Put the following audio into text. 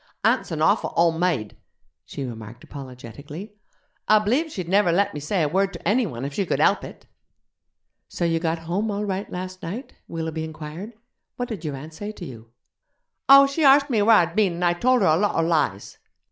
'Aunt's an awful ole maid,' she remarked apologetically; 'I b'lieve she'd never let me say a word to enny one if she could help it.' 'So you got home all right last night?' Willoughby inquired; 'what did your aunt say to you?' 'Oh, she arst me where I'd been, and I tolder a lotter lies.'